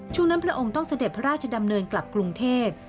นั้นพระองค์ต้องเสด็จพระราชดำเนินกลับกรุงเทพ